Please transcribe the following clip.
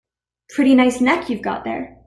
Pretty nice neck you've got there.